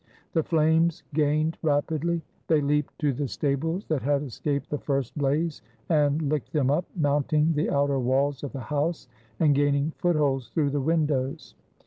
m The flames gained rapidly. They leaped to the stables that had escaped the first blaze and licked them up, mounting the outer walls of the house, and gaining foot holds through the windows.